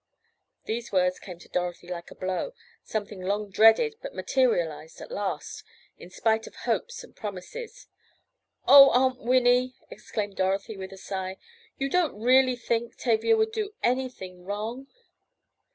'" These words came to Dorothy like a blow—something long dreaded but materialized at last—in spite of hopes and promises. "Oh, Aunt Winnie!" exclaimed Dorothy with a sigh, "you don't really think Tavia would do anything wrong?"